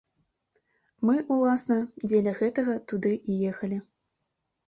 Мы, уласна, дзеля гэтага туды і ехалі.